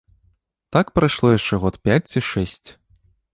Так прайшло яшчэ год пяць ці шэсць.